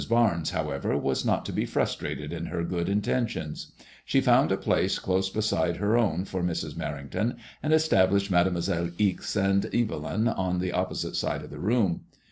Barnes, however, was not to be frustrated in her good intentions. She found a place close beside her own for Mrs. Merrington^ and established Mademoiselle Ixe and Evelyn in the opposite side of the room.